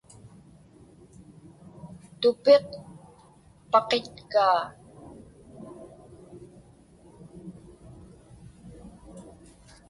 Tupiq paqitkaa.